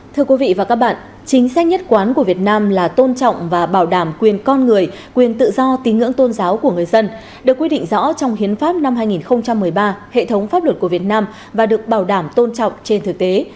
thưa quý vị và các bạn chính sách nhất quán của việt nam là tôn trọng và bảo đảm quyền con người quyền tự do tín ngưỡng tôn giáo của người dân được quy định rõ trong hiến pháp năm hai nghìn một mươi ba hệ thống pháp luật của việt nam và được bảo đảm tôn trọng trên thực tế